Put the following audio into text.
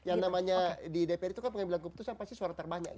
yang namanya di dpr itu kan pengambilan keputusan pasti suara terbanyak